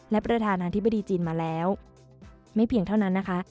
และประธานาธิบดีจีนมาแล้วไม่เพียงเท่านั้นนะคะ